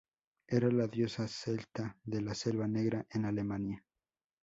Era la diosa celta de la Selva Negra en Alemania.